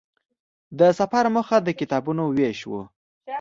د سفر موخه د کتابونو وېش وه.